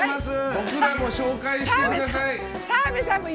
僕らも紹介してください！